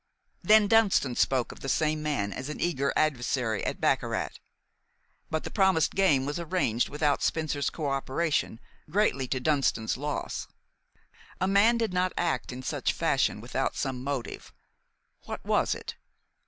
Then Dunston spoke of the same man as an eager adversary at baccarat; but the promised game was arranged without Spencer's coöperation, greatly to Dunston's loss. A man did not act in such fashion without some motive. What was it?